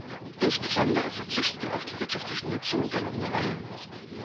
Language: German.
Insbesondere verzichtet er auf die wirtschaftliche Nutzung der Ländereien.